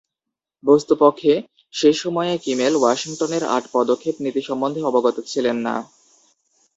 বস্তুপক্ষে, সেই সময়ে কিমেল ওয়াশিংটনের আট পদক্ষেপ নীতি সম্বন্ধে অবগত ছিলেন না।